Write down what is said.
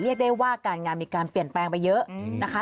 เรียกได้ว่าการงานมีการเปลี่ยนแปลงไปเยอะนะคะ